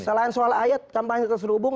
selain soal ayat kampanye terselubung